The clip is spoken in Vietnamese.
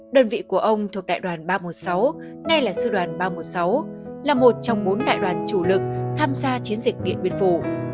đơn vị của ông thuộc đại đoàn ba trăm một mươi sáu nay là sư đoàn ba trăm một mươi sáu là một trong bốn đại đoàn chủ lực tham gia chiến dịch điện biên phủ